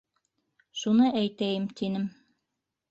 Шуны әйтәйем тинем.